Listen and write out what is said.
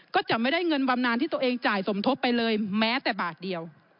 ก็จะไม่ได้เงินบำนานที่ตัวเองจ่ายสมทบไปเลยแม้แต่บาทเดียว